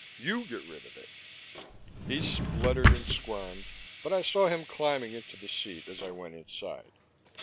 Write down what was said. You get rid of it." He spluttered and squirmed, but I saw him climbing into the seat as I went inside.